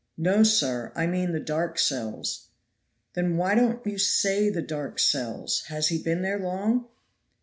"No, sir, I mean the dark cells." "Then why don't you say the dark cells? Has he been there long?"